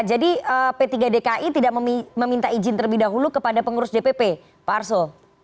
jadi p tiga dki tidak meminta izin terlebih dahulu kepada pengurus dpp pak arso